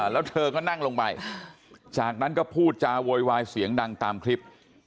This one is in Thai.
แล้วเธอก็นั่งลงไปจากนั้นก็พูดจาโวยวายเสียงดังตามคลิป